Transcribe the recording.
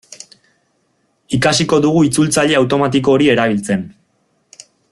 Ikasiko dugu itzultzaile automatiko hori erabiltzen.